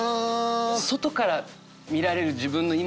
外から見られる自分の今の姿